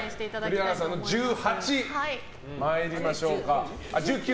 栗原さんの１９参りましょうか。